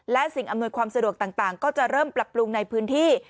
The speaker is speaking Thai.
และสิ่งอำนวยความสะดวกต่างก็จะเริ่มปรับปรุงในพื้นที่